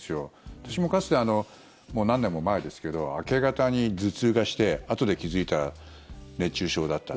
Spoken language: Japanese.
私もかつてもう何年も前ですけど明け方に頭痛がしてあとで気付いたら熱中症だった。